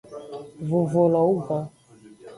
Vovo lo wugan.